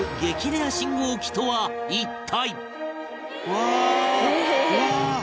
レア信号機とは一体？